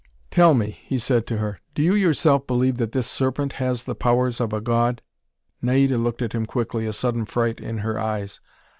"Tell me," he said to her: "do you yourself believe that this Serpent has the powers of a God?" Naida looked at him quickly, a sudden fright in her eyes.